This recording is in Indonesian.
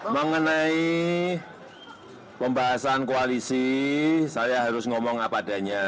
mengenai pembahasan koalisi saya harus ngomong apa adanya